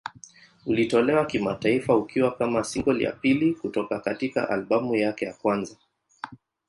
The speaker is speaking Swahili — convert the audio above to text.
Ulitolewa kimataifa ukiwa kama single ya pili kutoka katika albamu yake ya kwanza.